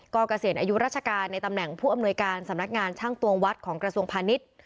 ก็เกษียณอายุราชการในตำแหน่งผู้อำนวยการสำนักงานช่างตวงวัดของกระทรวงพาณิชย์